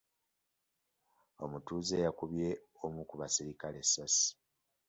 Omutuuze yakubye omu ku baserikale essaasi.